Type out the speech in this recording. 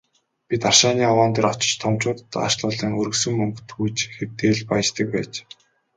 Бид рашааны овоон дээр очиж томчуудад аашлуулан, өргөсөн мөнгө түүж хэрдээ л «баяждаг» байж.